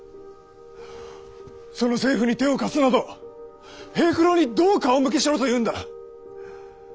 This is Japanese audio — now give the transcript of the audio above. その政府に手を貸すなど平九郎にどう顔向けしろというんだ？